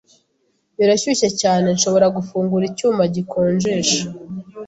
Birashyushye cyane. Nshobora gufungura icyuma gikonjesha?